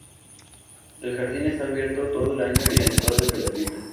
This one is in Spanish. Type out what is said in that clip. El jardín está abierto todo el año y la entrada es gratuita.